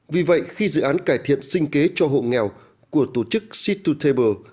vì vậy khi dự án cải thiện sinh kế cho hộ nghèo của tổ chức c hai table